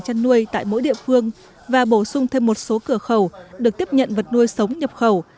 chăn nuôi tại mỗi địa phương và bổ sung thêm một số cửa khẩu được tiếp nhận vật nuôi sống nhập khẩu